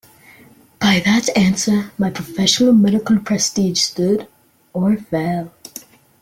By that answer my professional medical prestige stood or fell.